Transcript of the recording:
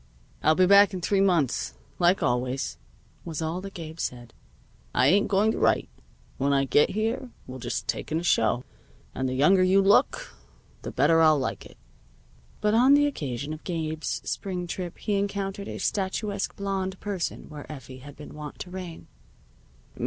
"I'll be back in three months, like always," was all that Gabe said. "I ain't going to write. When I get here we'll just take in a show, and the younger you look the better I'll like it." But on the occasion of Gabe's spring trip he encountered a statuesque blonde person where Effie had been wont to reign.